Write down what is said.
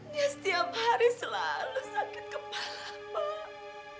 dia setiap hari selalu sakit kepala pak